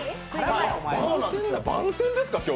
番宣ですか、今日？